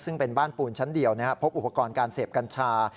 ซึ่งเป็นบ้านปูนชั้นเดียวพบอุปกรณ์การเสพกัญชา